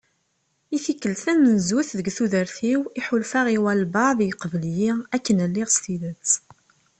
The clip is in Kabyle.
I tikkelt tamenzut deg tudert-iw i ḥulfaɣ i wabɛaḍ yeqbel-iyi akken lliɣ s tidet.